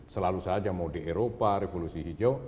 selalu saja mau di eropa revolusi hijau